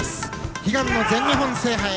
悲願の全日本制覇へ。